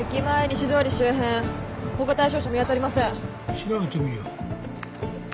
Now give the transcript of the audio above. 調べてみるよ。